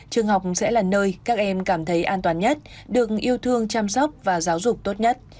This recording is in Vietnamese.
trường học sẽ là nơi các em cảm thấy an toàn nhất được yêu thương chăm sóc và giáo dục tốt nhất